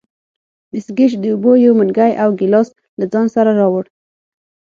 مس ګېج د اوبو یو منګی او یو ګیلاس له ځان سره راوړ.